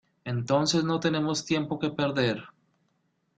Entonces no tenemos tiempo que perder.